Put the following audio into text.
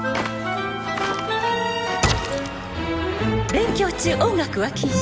「勉強中音楽は禁止」